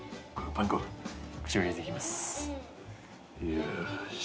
よし。